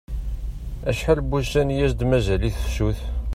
Acḥal n wussan i as-d-mazal i tefsut?